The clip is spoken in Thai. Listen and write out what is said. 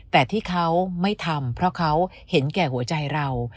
แต่ที่เขาไม่ทำเพราะเขาเห็นแก่หัวใจเรา